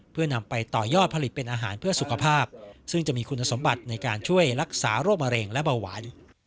เพื่อนำไปต่อยอดผลิตเป็นอาหารเพื่อสุขภาพซึ่งจะมีคุณสมบัติในการช่วยรักษาโรคมะเร็งและเบาหวาน